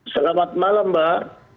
selamat malam mbak